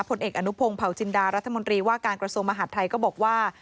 ผลเอกอนุพงศ์เผาจินดารัฐมนตรีว่าการกระทรวงมหาดไทยก็บอกว่า